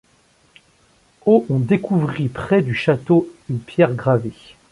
Au on découvrit près du château une pierre gravée.